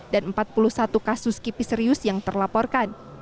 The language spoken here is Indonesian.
dan empat puluh satu kasus kipi serius yang terlaporkan